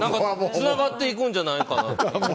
つながっていくんじゃないかなと。